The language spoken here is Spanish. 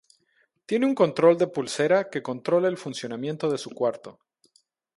Tiene un control de pulsera que controla el funcionamiento de su cuarto.